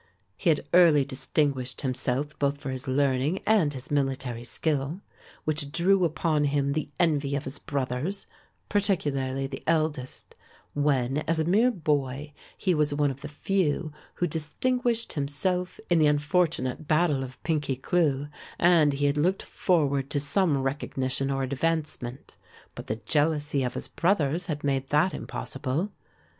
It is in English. He had early distinguished himself both for his learning and his military skill, which drew down upon him the envy of his brothers, particularly the eldest, when, as a mere boy, he was one of the few who distinguished himself in the unfortunate battle of Pinkey Cleugh and he had looked forward to some recognition or advancement, but the jealousy of his brothers had made that impossible.